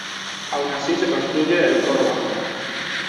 Aun así se construye el coro bajo.